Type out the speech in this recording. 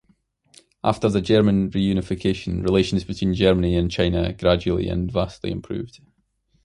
After the German reunification, relations between Germany and China gradually and vastly improved.